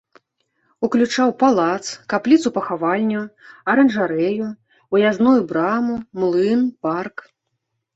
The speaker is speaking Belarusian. Уключаў палац, капліцу-пахавальню, аранжарэю, уязную браму, млын, парк.